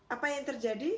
apa yang terjadi